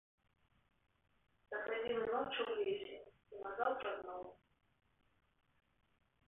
Да гадзіны ночы ў лесе, і назаўтра зноў.